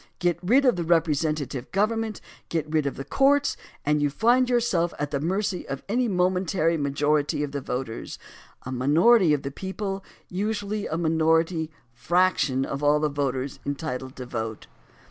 Get rid of representa tive government, get rid of the courts, and you find yourself at the mercy of any momentary majority of the voters, a minority of the people — usually a minor ity fraction of all the voters entitled to vote.